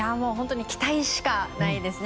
期待しかないですね。